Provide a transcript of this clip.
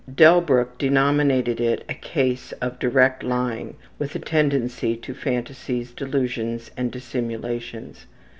Delbruck denominated it a case of direct lying with a tendency to phantasies, delusions, and dissimulations.